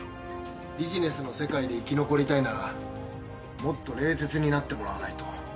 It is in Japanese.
ビジネスの世界で生き残りたいならもっと冷徹になってもらわないと。